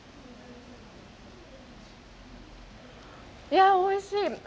いやおいしい。